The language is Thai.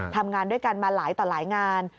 ทำงานด้วยกันมาหลายต่อหลายงาน